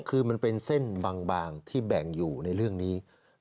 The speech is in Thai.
คือมันเป็นเส้นบางที่แบ่งอยู่ในเรื่องนี้